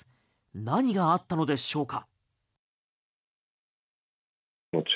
何があったのでしょうか？